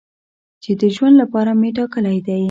چې د ژوند لپاره مې ټاکلی دی.